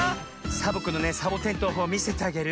サボ子のねサボテンとうほうをみせてあげる。